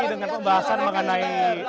dengan pembahasan mengenai